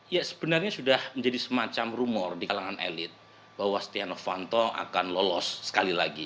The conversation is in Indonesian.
ya sebenarnya sudah menjadi semacam rumor di kalangan elit bahwa setia novanto akan lolos sekali lagi